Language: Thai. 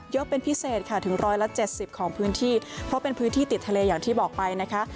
เยอะเป็นพิเศษค่ะถึง๑๗๐ของพื้นตีเพราะเป็นพื้นที่ติดทะเลอย่างที่บอกไปนะคะ